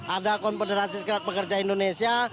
ada konfederasi serikat pekerja indonesia